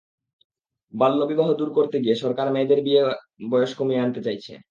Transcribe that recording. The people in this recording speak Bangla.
বাল্যবিবাহ দূর করতে গিয়ে সরকার মেয়েদের বিয়ের বয়স কমিয়ে আনতে চাইছে।